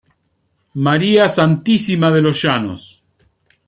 María Santísima de Los Llanos".